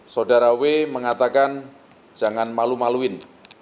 saudara w mengatakan jangan malu maluin